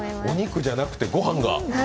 お肉じゃなくて御飯が？